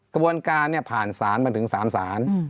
กระบวนการเนี่ยผ่านสารมาถึงสามสาร